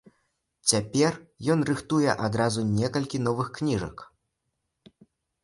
Цяпер ён рыхтуе адразу некалькі новых кніжак.